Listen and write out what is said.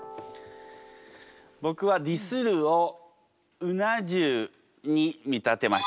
僕は「ディスる」をうな重に見立てました。